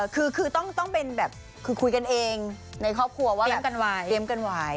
คือต้องเป็นแบบคือคุยกันเองในครอบครัวว่าเตรียมกันไว้